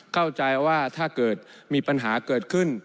เข้าใจว่าถ้าเกิดมีปัญหาเกิดขึ้น